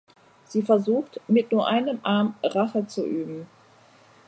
Sie versucht, mit nur einem Arm Rache zu üben.